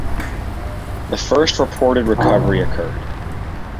The first reported recovery occurred.